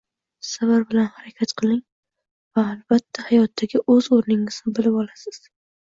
Sabr bilan harakat qiling va albatta hayotdagi o’z o’rningizni bilib olasiz